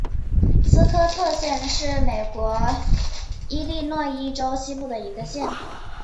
斯科特县是美国伊利诺伊州西部的一个县。